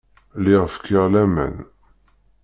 Lliɣ fkiɣ laman.